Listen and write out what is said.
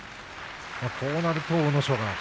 こうなると阿武咲が。